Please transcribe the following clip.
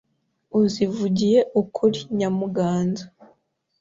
Uzivugiye ukuri Nyamuganza